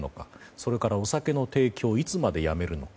それから、お酒の提供をいつまでやめるのか。